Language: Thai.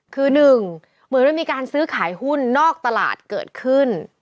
คือหนึ่งเหมือนมันมีการซื้อขายหุ้นนอกตลาดเกิดขึ้น